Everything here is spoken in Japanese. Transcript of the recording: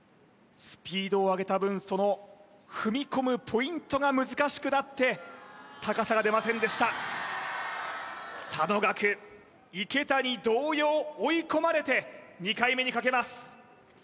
スピードを上げた分その踏み込むポイントが難しくなって高さが出ませんでした佐野岳池谷同様追い込まれて２回目にかけます